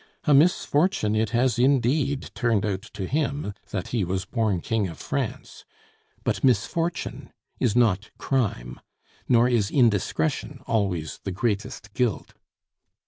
A misfortune it has indeed turned out to him, that he was born King of France. But misfortune is not crime, nor is indiscretion always the greatest guilt.